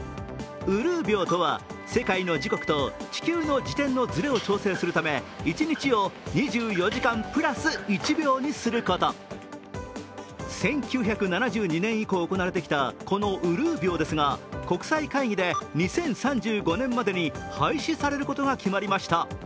うるう秒とは、世界の時刻と地球の自転のずれを調整するため一日を２４時間プラス１秒にすること１９７２年以降行われてきたこのうるう秒ですが、国際会議で２０３５年までに廃止されることが決まりました。